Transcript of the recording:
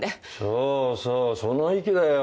そうそうその意気だよ。